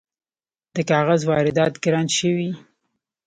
د کاغذ واردات ګران شوي؟